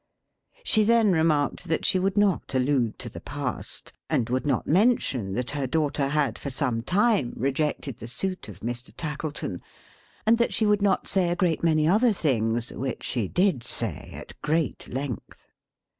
She then remarked that she would not allude to the past, and would not mention that her daughter had for some time rejected the suit of Mr. Tackleton; and that she would not say a great many other things which she did say, at great length.